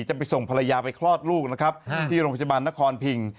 จะไปส่งภรรยาไปคลอดลูกนะครับที่โรงพยาบาลนครพิง